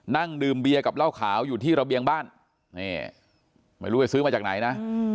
นั่งดื่มเบียร์กับเหล้าขาวอยู่ที่ระเบียงบ้านนี่ไม่รู้ไปซื้อมาจากไหนนะ